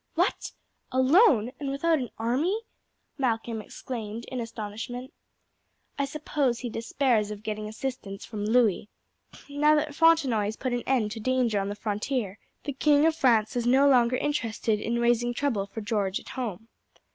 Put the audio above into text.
"What! Alone and without an army!" Malcolm exclaimed in astonishment. "I suppose he despairs of getting assistance from Louis. Now that Fontenoy has put an end to danger on the frontier the King of France is no longer interested in raising trouble for George at home."